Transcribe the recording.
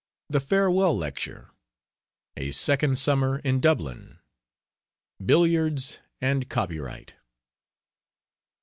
THE FAREWELL LECTURE. A SECOND SUMMER IN DUBLIN. BILLIARDS AND COPYRIGHT.